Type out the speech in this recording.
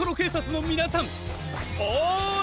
おい！